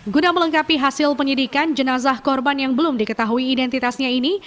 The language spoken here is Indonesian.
guna melengkapi hasil penyidikan jenazah korban yang belum diketahui identitasnya ini